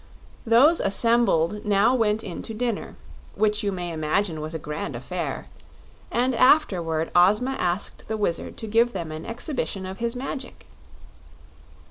Those assembled now went in to dinner, which you can imagine was a grand affair; and afterward Ozma asked the Wizard to give them an exhibition of his magic.